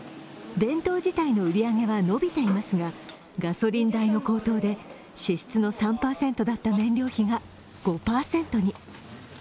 弁当自体の売り上げは伸びていますが、ガソリン代の高騰で支出の３％だった燃料費が５％に。